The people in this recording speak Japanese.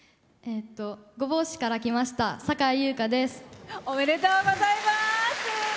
御坊市から来ましたさかいです。